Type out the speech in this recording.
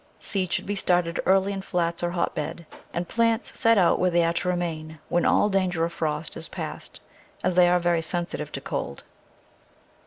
Seed should be started early in flats or hotbed, and plants set out where they are to remain, when all dan ger of frost is past, as they are very sensitive to cold.